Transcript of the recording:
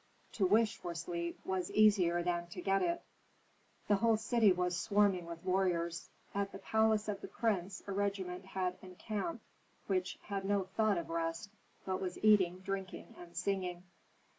To wish for sleep was easier than to get it. The whole city was swarming with warriors; at the palace of the prince a regiment had encamped which had no thought of rest, but was eating, drinking, and singing.